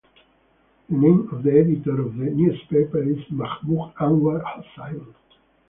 The name of the editor of the newspaper is Mahmud Anwar Hossain.